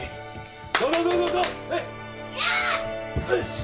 はい。